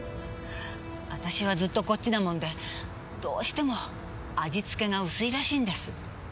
あたしはずっとこっちなもんでどうしても味付けが薄いらしいんです。